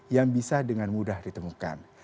yang bisa dengan mudah ditemukan